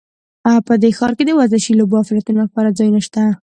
په دې ښار کې د ورزشي لوبو او فعالیتونو لپاره ځایونه شته